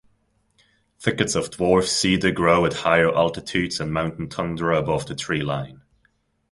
Thickets of dwarf cedar grow at higher altitudes and mountain tundra above the treeline.